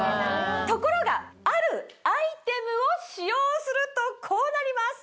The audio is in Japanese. ところがあるアイテムを使用するとこうなります。